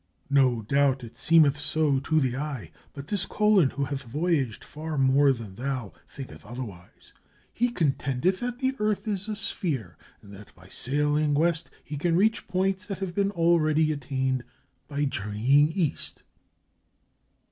"No doubt it so seemeth to the eye; but this Colon, 478 A GLIMPSE OF COLUMBUS IN SPAIN who hath voyaged far more than thou, thinketh other wise. He contendeth that the earth is a sphere, and that, by sailing west, he can reach points that have been already attained by journeying east."